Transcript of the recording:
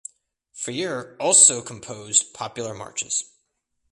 Freire also composed popular marches.